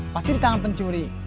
pasti di tangan pencuri